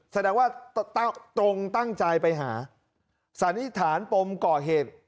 แสดงว่าตรงตั้งใจไปหาสันนิษฐานปมก่อเหตุ